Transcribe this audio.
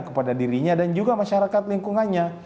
kepada dirinya dan juga masyarakat lingkungannya